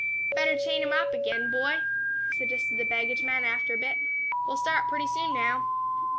"Better chain him up again, my boy," suggested the baggage man, after a bit. "We'll start pretty soon now."